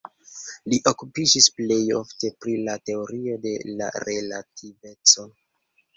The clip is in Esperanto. Li okupiĝis plej ofte pri la teorio de la relativeco.